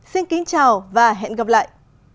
xin kính chào và hẹn gặp lại